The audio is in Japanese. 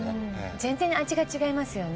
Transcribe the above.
全然味が違いますよね。